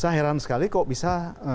saya heran sekali kok bisa